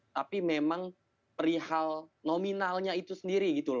tapi memang perihal nominalnya itu sendiri